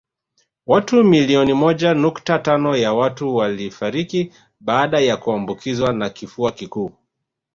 Watu milioni moja nukta tano ya watu walifariki baada ya kuambukizwa na kifua kikuu